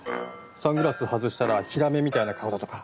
サングラス外したらヒラメみたいな顔だとか？